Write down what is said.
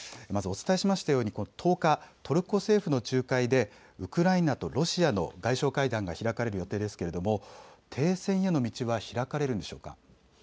お伝えしましたように１０日、トルコ政府の仲介でウクライナとロシアの外相会談が開かれる予定ですが停戦への道は開かれるんでしょうか。